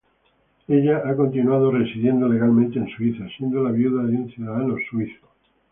Ella ha continuado residiendo legalmente en Suiza, siendo la viuda de un ciudadano suizo.